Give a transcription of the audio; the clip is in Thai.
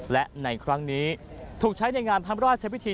และในครั้งนี้ถูกใช้ในงานพระราชพิธี